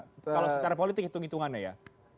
kalau secara politik hitung hitungannya ya